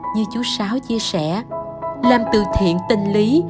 như chú sáo chia sẻ làm từ thiện tình lý